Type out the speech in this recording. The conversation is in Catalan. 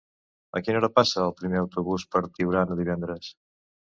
A quina hora passa el primer autobús per Tiurana divendres?